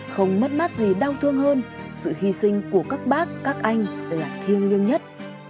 không mất mát gì đau thương hơn sự hy sinh của các bác các anh là thiêng liêng nhất